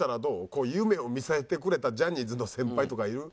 こう夢を見せてくれたジャニーズの先輩とかいる？